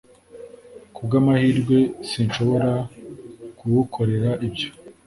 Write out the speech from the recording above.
Kubwamahirwe sinshobora kugukorera ibyo